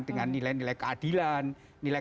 dengan nilai nilai keadilan nilai